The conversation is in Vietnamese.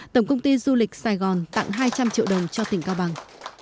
tổng công ty du lịch sài gòn tặng hai trăm linh triệu đồng cho tỉnh cao bằng